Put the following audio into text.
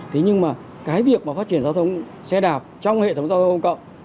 thế nhưng mà cái việc mà phát triển giao thông xe đạp trong hệ thống giao thông công cộng